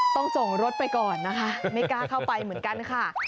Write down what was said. ส่งรถไปก่อนนะคะไม่กล้าเข้าไปเหมือนกันค่ะ